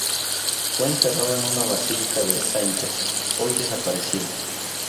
Fue enterrado en una basílica de Saintes hoy desaparecida.